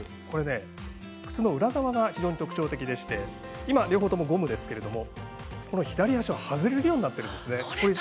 これ、靴の裏側が非常に特徴的でして今、両方ともゴムですが左足が外れるようになってるんですね。